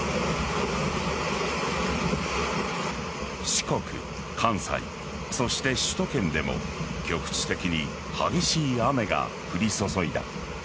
四国、関西、そして首都圏でも局地的に激しい雨が降り注いだ。